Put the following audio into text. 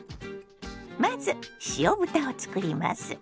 まず塩豚を作ります。